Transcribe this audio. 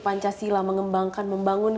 pancasila mengembangkan membangun